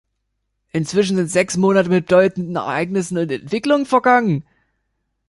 Inzwischen sind sechs Monate mit bedeutenden Ereignissen und Entwicklungen vergangen.